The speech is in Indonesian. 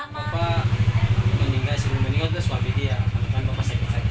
bapak meninggal sebelum meninggal itu suami dia